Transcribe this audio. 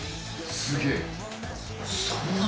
すげえ。